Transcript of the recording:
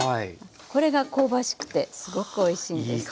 これが香ばしくてすごくおいしいんです。